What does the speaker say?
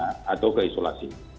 karantina atau keisolasi